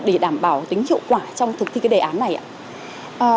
để đảm bảo tính hiệu quả trong thực thi cái đề án này ạ